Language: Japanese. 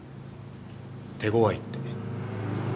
手ごわいって。